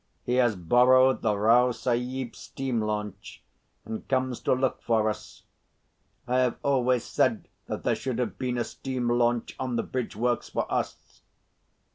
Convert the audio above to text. He has borrowed the Rao Sahib's steam launch, and comes to look for us. I have always said that there should have been a steam launch on the bridge works for us."